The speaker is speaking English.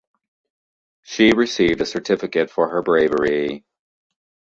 She received a certificate for her bravery.